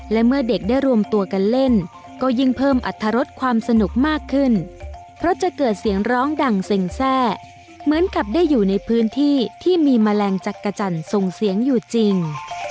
และเมื่อเด็กได้รวมตัวกันเล่นก็ยิ่งเพิ่มอัตรรสความสนุกมากขึ้นเพราะจะเกิดเสียงร้องดังเซ็งแทร่เหมือนกับได้อยู่ในพื้นที่ที่มีแมลงจักรจันทร์ส่งเสียงอยู่จริง